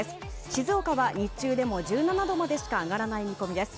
静岡は日中でも１７度までしか上がらない見込みです。